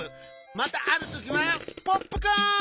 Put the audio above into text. またあるときはポップコーン！